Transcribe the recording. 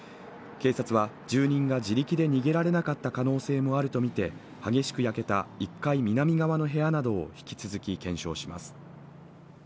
警察は、住人が自力で逃げられなかった可能性もあるとみて激しく焼けた１階南側の部屋などを引き続き検証します。